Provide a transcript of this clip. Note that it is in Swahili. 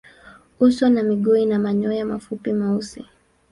Uso na miguu ina manyoya mafupi meusi.